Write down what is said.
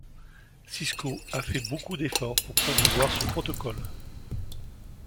Cisco a fait beaucoup d'efforts pour promouvoir ce protocole.